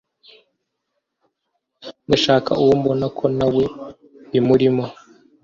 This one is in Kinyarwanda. Ndashaka uwo mbona ko nawe bimurimo